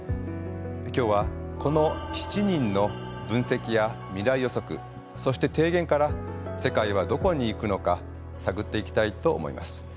今日はこの７人の分析や未来予測そして提言から世界はどこに行くのか探っていきたいと思います。